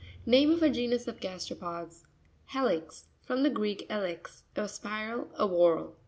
— Name of a genus of gas teropods. He'ux.—From the Greek, eliz, a spiral, a whorl.